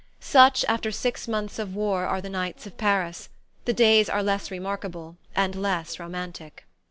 Such, after six months of war, are the nights of Paris; the days are less remarkable and less romantic.